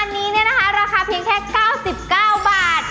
อันนี้เนี่ยนะคะราคาเพียงแค่๙๙บาท